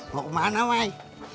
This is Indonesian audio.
mau kemana mai